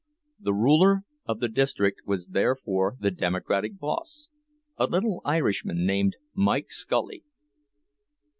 The ruler of the district was therefore the Democratic boss, a little Irishman named Mike Scully.